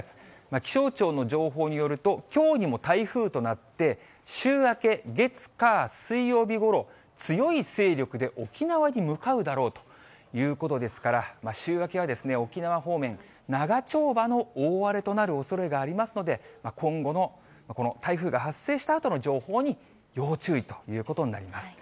気象庁の情報によると、きょうにも台風となって、週明け月、火、水曜日ごろ、強い勢力で沖縄に向かうだろうということですから、週明けは沖縄方面、長丁場の大荒れとなるおそれがありますので、今後のこの台風が発生したあとの情報に要注意ということになります。